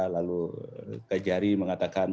lalu kejari mengatakan